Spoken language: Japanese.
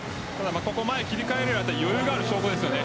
前に切り替えるって余裕がある証拠ですよね。